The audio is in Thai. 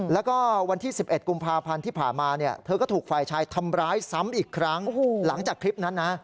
แล้วก็วันที่๑๑กุมภาพันธ์ที่ผ่านมาเนี่ยเธอก็ถูกฝ่ายชายทำร้ายซ้ำอีกครั้งหลังจากคลิปนั้นนะ